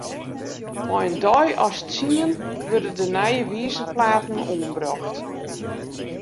Mei in deis as tsien wurde de nije wizerplaten oanbrocht.